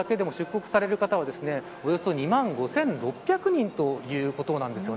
今日だけも出国される方はおよそ２万５６００人ということなんです。